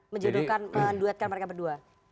menjodohkan menduetkan mereka berdua